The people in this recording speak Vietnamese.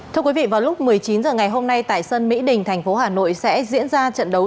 thưa quý vị vào lúc một mươi chín h ngày hôm nay tại sân mỹ đình thành phố hà nội sẽ diễn ra trận đấu